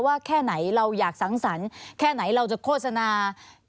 ว่าแค่ไหนเราอยากสังสรรค์แค่ไหนเราจะโฆษณา